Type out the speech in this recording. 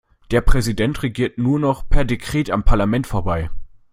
Der Präsident regiert nur noch per Dekret am Parlament vorbei.